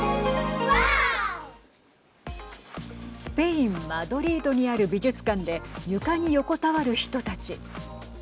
スペインマドリードにある美術館で床に横たわる人たち。